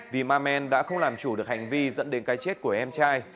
vì ma men đã không làm chủ được hành vi dẫn đến cái chết của em trai